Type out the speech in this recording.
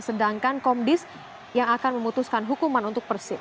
sedangkan komdis yang akan memutuskan hukuman untuk persib